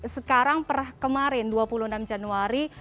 sekarang per kemarin dua puluh enam januari